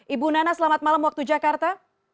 ibu nana selamat malam waktu jakarta